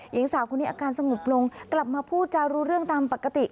หญิงสาวคนนี้อาการสงบลงกลับมาพูดจารู้เรื่องตามปกติ